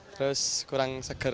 terus kurang seger